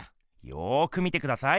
よく見てください！